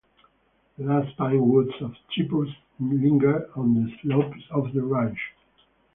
The last pine-woods of Cyprus linger on the slopes of the range.